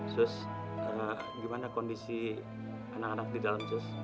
terus gimana kondisi anak anak di dalam sus